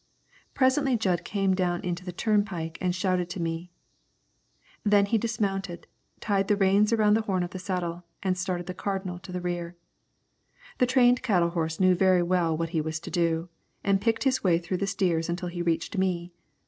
Presently Jud came down into the turnpike and shouted to me. Then he dismounted, tied the reins around the horn of the saddle, and started the Cardinal to the rear. The trained cattle horse knew very well what he was to do, and picked his way through the steers until he reached me.